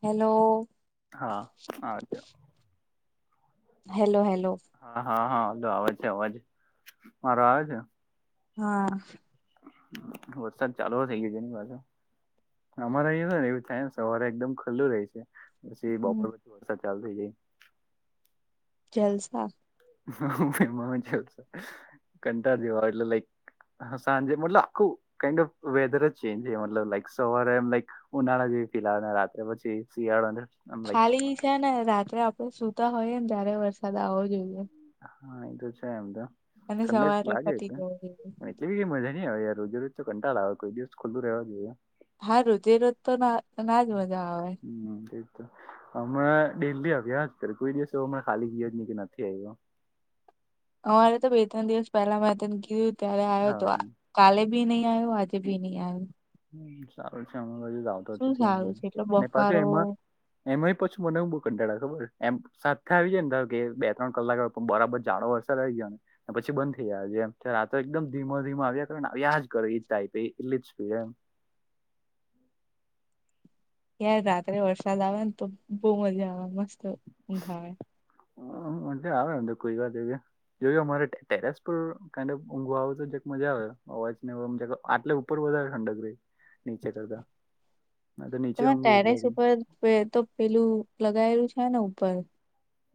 Hello. હા હાજ. Hello hello. હા હા હા તો આવે છે અવાજ મારો આવે છે. હા. વરસાદ ચાલુ થઇ ગયો છે એની પાછુ. અમારે અ ને એ થાય ને સવારે એકદમ ખુલ્લું રહી છે પછી હમ બપોર વરસાદ ચાલુ થઇ જાય. જલસા. હ છે કંટા જેવા એટલે લાઈક. હ સાંજે મતલબ આખું કાન્ડ ઓફ વેધર જ ચેન્જક સવારેક. ઉનાળા જેવી ફિલાને રાત્રે પછી શિયાળો. આમ લાઈક ખાલી છે ચોમાસું ને રાત્રે આપડે સુતા હોઈએ ને ત્યારે વરસાદ આવવો જોઈએ. હા એ તો છે એમ તો અને ઠંડક સવારે લાગે. પતી જવો જોઈએ એવીીઈ મજાહી આવે યાર રોજ રજ તો કંટાળ આવે કોઈ દિવસ ખલ્લું રહેવા જોએ. હા રુધિર રજ તો ના. ના જ મજા આવે હમ. હણા ડેલી અભ્યા કર કોઈ દિવસ ખાલીજ કે નથી આવ્યો. અમારે તો બે ત્રણ દિવસ પહેલા મે તને કીધું ત્યારે આવ્યો હતો હા આ. કાલે ભી નહીં આવ્યો અજ ભી નહીં આવ્યો. હ ચાલું છે શું હમ સારું ધ છે એટલો નેપા બફારો એમ. એમાં પછી મનેવું બઉુ કંટાળા ખબર એમ સાથે આવી જાય ને ત કે બે ત્રણ કલાક. પણ બરાબર જાડો વરસા રહી ગયા ને. પછી બંધ થઈ ગાય છેમ ત્યારે આ તો એકદમ ધીમા ધીમા આવ્યા કરને આવ્યા જ કરે એટલી જ એમ. યાર રાત્રે વરસાદ આવે ને તો બહુ મજા આવે મસ્ત ખ આવે. હ આવ કોઈ ગ. જો અમારે ટેરેસ પર ક ઊંઘો આવે તો મજા આવે અવાજ ને. આટલે ઉપર વધારે ઠંડક રહી નીચે કરતા. મેં તો નીચે તમે ઊંઘું એટલે ટેરેસ ઉપર તો પેલું લગાયેલું છે ને ઉપર.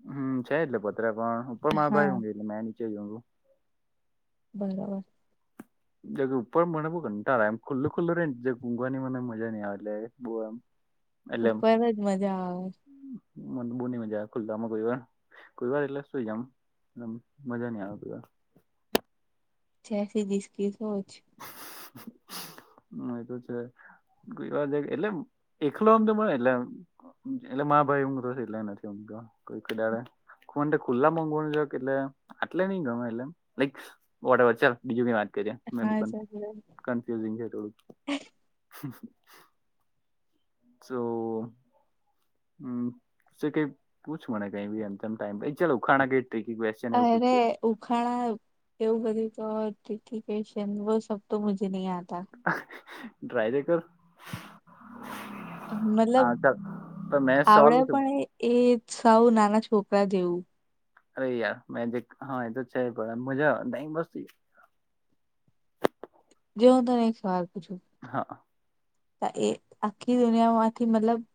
હમ છે એટલે પોત્ર પણ ઉપર મા હા ભાઈ હું એટલે મેં નીચે જું. બરાબર. ગ ઉપર મને બહ ઘંટા એમ ખુલ્લું ખુલ્લું રહી નેુંઘવાની મને મજા નહીં આવેટ બુ એમ. ઉપર જ મજા આવે. મ બૂની મજા ખુલ્લા માં કોઈ વાર કોઈ વાર એટલે સુઈ જામ મજા નઈ આવે કોઈ વાર. જેસી જીસકી સોચ. એતો છે. ગવા એટલે એકલો આમ તો મળે એટલે એટલે મા ભાઈ એટલે નથી મ કોઈ ખડાડ ખુલ્લા મોગવાનું જો કે એટલે આટલે નહ ગમે એટલે લક વ ચાલ બીજું બી માત કરીે. મે બ હા જરૂર કફ્યુઝિંગ હ થોડું. સો. હમ કઈ પૂછું મને કઈ ભ એમમ ટાઈમ ચાલખાણા કઈ બેસી અવે ઉખાણા એવું બ તો કે છેન સબ તો મુજે નહી આત હતા? ડ્રાય દે કર? મતલબ હા ચાલ તો મેં સવાલ આવડે પૂછું પણ એ સાવ નાના છોકરા જેવું. અરે યાર મે જે હા એ તો છે પડ મજા આવે નહી બસ યાર જો હું તને એક સવાલ પૂછું? હા. એ આખી દુનિયા માંથી મતલબ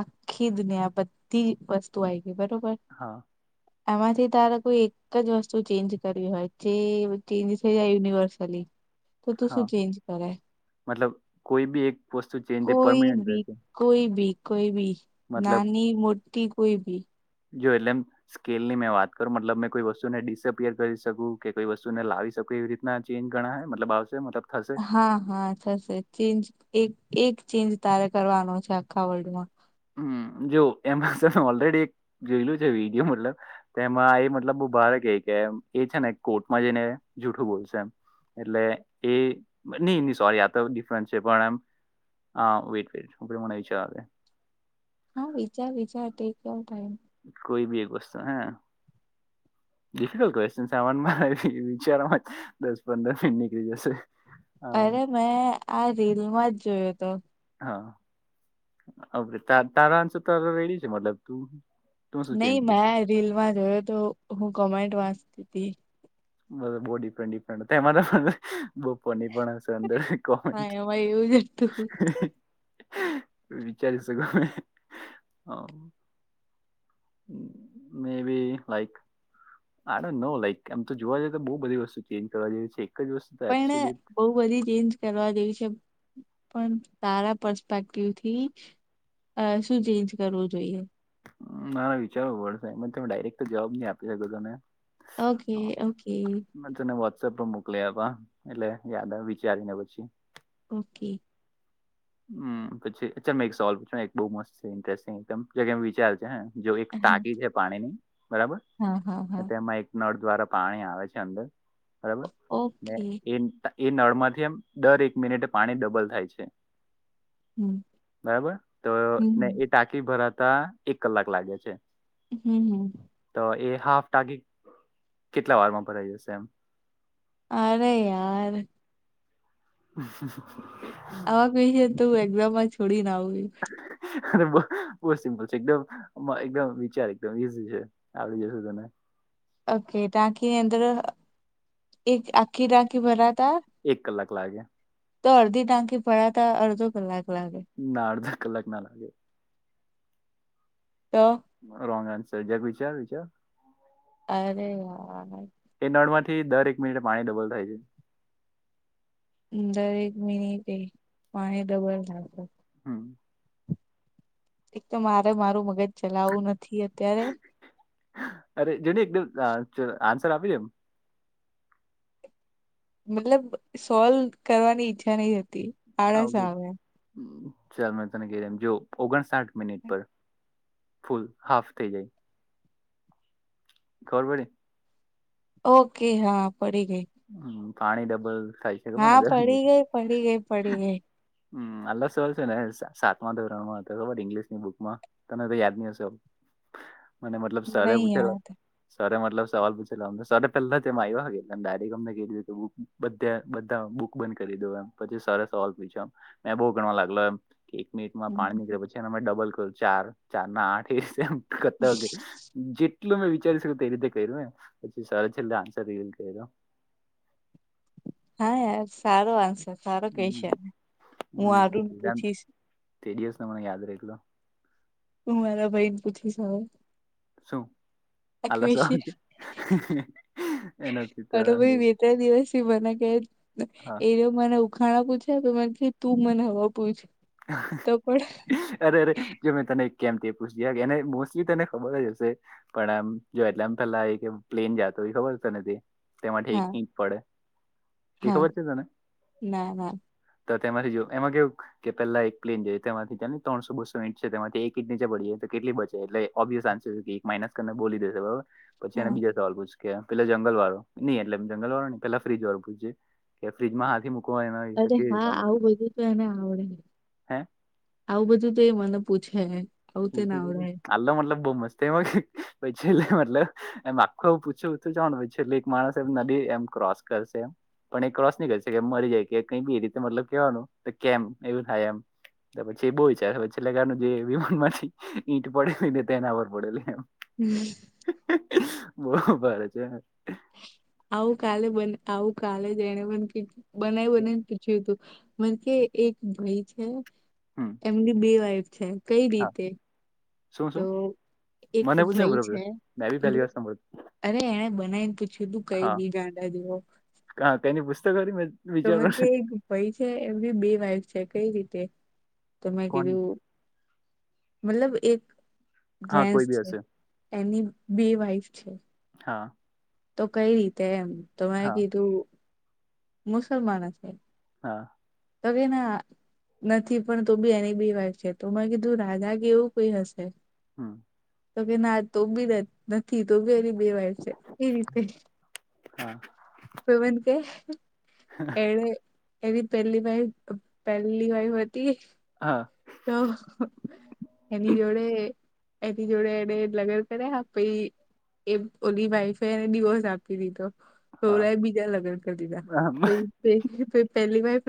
આખી દુનિયા બધી વસ્તુ આવી ગઈ બરોબર હા. [inaudible] [unintelligible] એમાંથી તારે કોઈ એક જ વસ્તુ ચેન્જ કરવી હોય જે ચેન્જ થઈ જાય યુનિવર્સલી. તો તું હા શું ચેન્જ કરે? મતલબ કોઈ બી એક? વસ્તુ ચેન્જ તે કોઈ પરમનન્ટ બી રહેશે કોઈ બી કોઈ બી મતલબ નાની મોટી કોઈ બી? જો એટલે એમ સ્કેલની મેં વાત કરું મતલબ મેં કોઈ વસ્તુ ને ડિસઅપિયર કરી શકું કે કોઈ વસ્તુને લાવી શકું એવી રીતે ના ચેન્જ ગણા મતલબ આવશે મતલબ થશે હા હા થશે ચેન્જ એક એક ચેન્જ તારે કરવાનો છે આખા વર્લ્ડમાં. હમ જો એ ઓલરેડી એક જોયલું છે, વિડીયો મતલબ તે એમાં એ મતલબ ભારે કે કે એ છે ને કોર્ટમાં જઈને જૂઠું બોલશે એટલે એ નહી નહી સોરી આ તો ડિફરન્ટ છે પણ આમ હા. [unintelligible] હા વિચાર વિચાર ટેક યોઉર ટાઈમ. કોઈ બી એક વસ્તુ હા? ડિફિકલટ ક્વશચનસ એમ વિચાર દસ પંદર મિનિટ નીકળી જશે. આમ, અરે મેં આ રીલમાં જ જોયો હતો. હા, અ તારા અંશ તારા રેડી છે મતલબ તું. તું શું નહી ચેન્જ કરશે મેં રીલમાં જોયો તો હું કોમેન્ટ વાંચતી હતી. બધું બો ડિફરેન્ટ ડિફરેન્ટ [unintelligible] દરેક હા કોમેન્ટ. એમાં એવું જ હતું [inaudible] વિચારી શકુંની હા. May be like. આડ ન લાઈક આમ તો જોવા જઈએ તો બઉ બધી વસ્તુ ચેન્જ કરવા જેવી છે. એક જ વસ્તુ તો પણ ને એબ્સોલ્યુટ બહ બધી ચેન્જ કરવા જેવી છે પણ તારા પરસ્પેક્ટિવ થી. અ શું ચેન્જ કરવું જોઈએ? મારા વિચારો વસા એમાં તમે ડાયરેક્ટ તો જવાબ નહી આપી શકું તમને. Okay okay. ના તને વોટ્સઅપ પર મોકલી આપા એટલે યાદ આવે વિચારી ને પછી. ઓકે. હમ પછી અચ્છાં એક સવાલ પૂછ એક બહુ મસ્ત છે ઇન્ટરેસ્ટિંગમ વિચાર છે હ. જો એક હા ટાકી છે પાણીની, બરાબર? હા હા હા તેમાં એક નળ દ્વારા પાણી આવે છે અંદર, બરાબર ને ઓકે એ એ નળ માંથી એમ દર એક મિનિટે પાણી ડબલ થાય છે. હમ. બરાબર, તો ને હમ એ ટાંકી ભરાતા એક કલાક લાગે છે. હમ હમ. તો એ હાફ ટાકી કેટલા વારમાં ભરાઈ જશે એમ? અરે યાર. [unintelligible] આવા ક્વેશ્ચન છે તો એક્ઝામમાં છોડી ને આવુ. બહુ સિમ્પલ છે. એકમ એકદમ વિચાર એકમ ઈઝી છે. આવડી જશું તને. ઓકે ટાંકીની અંદર એક આખી ટાંકી ભરાતા એક કલાક લાગે. તો અડધી ટાંકી ભરાતા અડધો કલાક લાગે. ના અડધા કલાક ના લાગે. તો? રોંગ આન્સર જ વિચાર વિચાર. અરે યાર. એ નળમાંથી દર એક મિનિટે પાણી ડબલ થાય છે. દરેક મિનિટે પાણી ડબલ? [inaudible] હમ. એક તો મારે મારું મગજ ચલાવવું નથી અત્યારે. અરે જેને એકદમ આન્સર આપી દે એમ. મતલબ સોલ્વ કરવાની ઈચ્છા નહિ હતી. આળસ આવ આવે ચાલ મે તને કહેવું જો ઓગણસાઠ મિનિટ પર. ફુલ હાફ થઈ જાય. ખબર પડી. ઓકે હા પડી ગઈ. હમ પાણી ડબલ થાય. છે ખબર ને હા દર પડી મિનિટે ગઈ પડી ગઈ પડી ગઈ. હમ આલસ સવાલ છે ને સાતમા ધોરણ માં હતો ખબર ઇંગ્લિશની બુકમાં. તને તો યાદ નહી હશે, મને મતલબ સર નહી પૂછેલા. યાદ સરે મતલ સવાલ પછે લ તો સરે પેલા તે માઈ વાગે લ એ ગમે એ દિવસે બધે બધા બુક બંધ કરી દો એમ પછી સારા સવાલ પૂછ્યા. મે બહુ ગણવા લાગલા એમ. એક મિનિટમાં પાણી હમ. નીકળ્યા પછી એના ડબલ કર્યું ચાર ચાર ના આઠ એ કરતા. જેટલું મેં વિચારી શકી તે રીતે કર્યું પછી સર છેલ્લે આન્સર રિવીલ હા યાર સારો આન્સર સારો ક્વેશ્ચન હમ છે, હું આરુન પૂછીશ. તે દિવસ મને યાદ રહેલો. હું મારા બાઈને પૂછી સવાલ. શું આળસવા. હા તોહ ભાઈ બે ત્રણ દિવસથી મને કહે હા એ મને ઉખાણ પૂછે તો મને તું મને હવે પૂછે. અરે અરે. જો મેં તને કેમ તે પૂછ એને મોસ્ટલી તને ખબર જ હશે. પણ આમ જો એટલે આમ પેલા આવી કે પ્લેન જાતો હો ખબર તો ને. તેમાંથી એક હા ઇંચ પડે, તે હા ખબર છે તને. ના ના તો તેમાંથી જો એમાં કેવું કે પેલા એક પ્લેન જાય તેમાંથી ત તણસો બસો ઇંટ છે તેમાં એક ટ નીચે પડી જાય તો કેટલી બચે એટલે ઓબ્યસ ચાન્સીસ? માઇનસ કરને બોલી દેશે બરોબર, પછી એને હા બીજા સવાલ પૂછ. કે પેલા જંગલ વાળો નઈ એટલે જંગલ વાળો પેલા ફ્રીજ વાળું પૂછજે, કે ફ્રીિજમાં હાથી મૂક એ હોય અરે કેવી હા રીતે મુકે આવું બધું તો એને આવડે, આવું બધું તો એ મને પૂછે. તો ના આવડે લ અ મતલબ બ મસ્ત મ પૈચલે મતલબ. એમ આખું એું પૂછ્યું જનું છેલ્ એક માણસ એમ નદી એમ ક્રોસ કરશે એમ. પણ એ ક્રોસ નહી કરીશેકે મરી જાય કે કઈ બી રીતે મતલબ કેવાનું કેમ એવું થાય એમ. પછી એ બહુ છે પી લગાનું જે વિમાન. ઈંટ પડે ને તને ખબર પડેલી એમ. હમ. બો ભારે છે. આવું કાલે બને આવું કાલે એને બ બનાવી બનાને પૂછ્યું હતું. મ કે એક ભાઈ છે, હમ એમની બે વાઈફ છે કઈ હા રીતે? શું તો શું એક મને પૂછે ભાઈ બરોબર છે મેં બી પહેલી વાર મતલબ સાંભળ્યું અરે એણે બનાવીને પૂછ્યું તું કઈ હા બી ગાડા જેવો. હા કની પુસ્તક વા મે તો મને એક ભાઈ છે એમ બી બે વાઈફ છે કઈ રીતે? તો મેં કોની કીધું મતલબ એક હા જેન્સ કોઈ બી છે. હશે એની બે વાઈફ છે. હા. તો કઈ રીતે એમ તો મેં હા કીધું, મુસલમાન હશે. હા. તવેના. નથી પણ તો બી એની બી વાત છે તો મેમાં કીધું રાધા કેવું કોઈ હશે. હમ્મ. તો કે ના તો બી નથી તો બી એ. વાય છે એ રીતે હા પવન કે. એવી પેલી વાય પહેલી વાય હતી. હા. તો. એની જોડે એની જોડે એને લગન કર્યા પી એ ઓલી વાઈફે એને ડડીિવોર્સ આપી દીધો. તો હા ઓલા એ બીજા લગ્ન કરી દીધા પ પહેલી વાર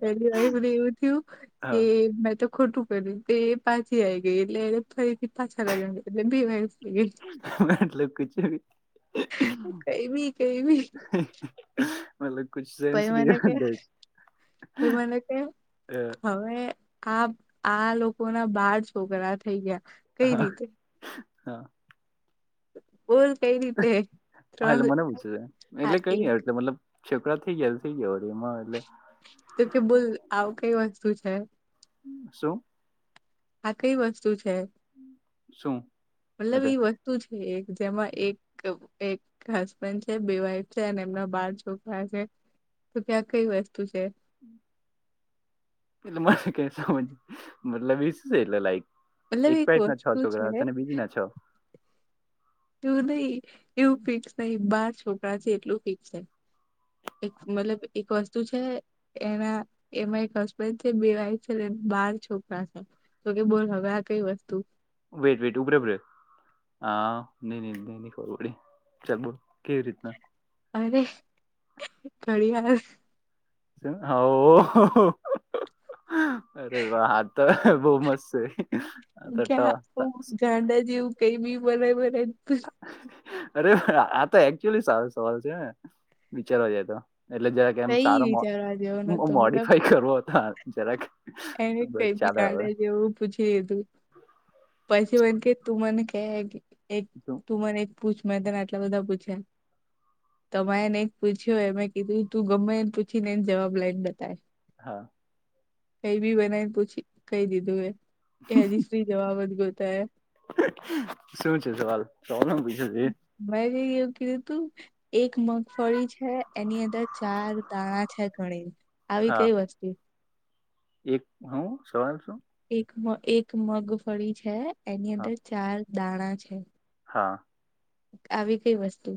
પેલી વા મને એવું થયું કે હા મે તો ખોટું કરી્યું તે પાછી આવી ગઈ એટલે એ ફરીથી પાછા લગ ગ એટલે બે વાગ એટલે. કઈ બી કઈ બી મતલબ કછ સેન્સ પહી ન મને કે છે. મને કે હવે. આ આ લોકો ના બાર છોકરા થઈ ગયા. કઈ હા રીતે હા. બોલ કઈ રીતે હા ત્રણ એટલે મને પૂછે છે આ એટલે કઈ નઈ એક આવ મતલબ છોકરા થી ગેલ થઇ ગયો હો એમાં એટલે તો કે બોલ આવું કઈ વસ્તુ છે. છું. આ કઈ વસ્તુ છે શું મતલબ એટલે વસ્તુ છે એક જેમાં એક હસબન્ડ છે બે વાઈફ છે. અને એમના બાર છોકરા છે. તો ત્યાં કઈ વસ્તુ છે? [inaudible] એટલે મારે કંઈ સમજ મતલબ એજ છે એટલે લાઈફ. મતલબ એક વાઇફના છ વસ્તુ છે છોકરા હશે અને બીજીના છ. એવું નહી. એવું ફિક્સ નહિ બાર છોકરા છે. એટલું ફિક્સ છે. એક મતલબ એક વસ્તુ છે. એના એમાં એક હસબન્ડ છે બે વાઈફ છે તેના બાર છોકરા છે. તો કે બોલ હવે આ કઈ વસ્તુ? વેઇટ વેઇટ ઉભ રે ઉભરે. હા ની નીની ખબ પયડી ચાલ બોલ કેવી રીતના? અરે! ઘડીયાર. હા. ઓ હો હો! અરે હા! તો બ‌ઉ મસ્ત છે. [inaudible] ક્યા આવું ગાંડા જેવું કંઈ બી બનાય બનાય. અરે! આ તો એક્ચુલી સારો સવાલ છે ને? વિચારવા જાય તો એટલે જરાક. કેમ કઈ સારો મો વિચારવા જેવો બો નતો મતલબ મોડીફાઈ કરવો હતો જરાક. એને બસ કંઈ બી ચાલે હવે ગાંડા જેવું. પૂછી લીધું પછી મને કે તું મને કે એક શું તું મને એક. પૂછ મેં તને આટલા બધા પૂછ્યા. તમા એને પૂછ્યું એ મે કીધું તું ગમે એને પૂછીને એન જવાબ લઈને બતાય. હા. કંઈ બી બનાયને પૂછી કહી દીધું. એ હજીસુઈ જવાબ જ ગોતે હે. શું છે સવાલ? સવાલમાં પૂછ્યું તું એ? મેંયે એવું કીધું તું. એક મગફળી છે. એની અંદર ચાર દાણા છે ઘણીન આવી હા કઈ વસ્તુ? એક હું સવાલ શું? એક એક મગફળી છે. એની હા અંદર ચાર દાણા છે. હા. આવી કઈ વસ્તુ?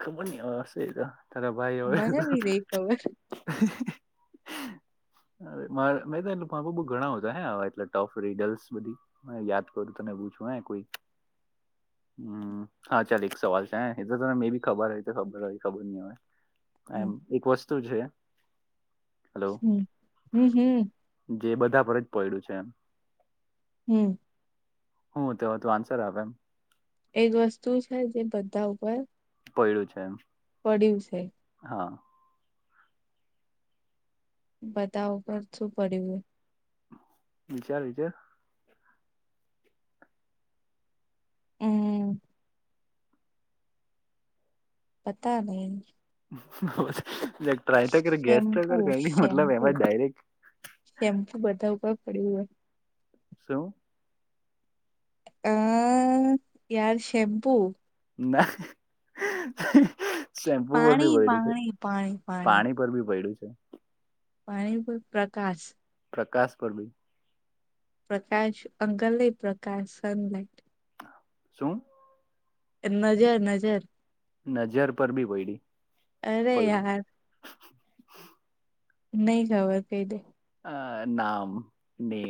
ખબર ની હવે હશે એતો તારા ભાઈ હોય. મને બી નઈ ખબર [unintelligible] મા મે [unintelligible] ઘણા બધા હે આવા એટલે ટો ફ્રી ગર્લ્સ બધી. મને યાદ કરું તને પૂછું હે કોઈ. હમ્મ. હા ચાલ. એક સવાલ છે. એતો તને મેબી ખબર હોય તો ખબર હોય ખબર ની હવે એમ હમ એક વસ્તુ છે. હલો હમ્મ હમ્મ હમ્મ. જે બધા પર જ પયડુ છે એમ. હમ્મ. હું હતુ હવે તુ આન્સર આપે હાલ. એજ વસ્તુ છે જે બધા ઉપર.. પયડુ છે એમ. પડ્યું છે? હા. બધા ઉપર શું પડ્યું હોય? વિચાર વિચાર હમ્મ. પતા નહી. બબબસ ટ્રાય તો કર ગેસ તો શેમ્પુ કર. કાઈ ની મતલબ શેમ્પુ એમજ ડાયરેક્ટ શેમ્પુ બધા ઉપર પડ્યું હોય. શું? અ યાર શેમ્પુ ના શેમ્પુ પર બી પાણી વયડી છે પાણી પાણી પાણી ધરબી પયડી છે. પાણી પર પ્રકાશ પ્રકાશ પર બી. પ્રકાશ અંગલ નહીં પ્રકાશ સનલાઈટ. શું. એમ નજર નજર. નજર પર બી વયડી અરે યાર. નહી ખબર કઈ દે. આ નામ નેમ